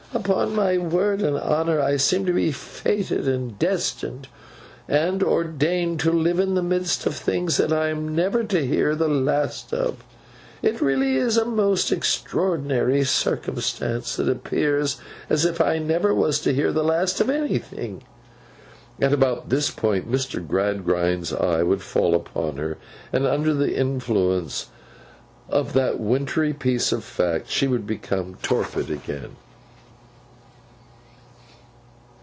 Upon my word and honour I seem to be fated, and destined, and ordained, to live in the midst of things that I am never to hear the last of. It really is a most extraordinary circumstance that it appears as if I never was to hear the last of anything!' At about this point, Mr. Gradgrind's eye would fall upon her; and under the influence of that wintry piece of fact, she would become torpid again.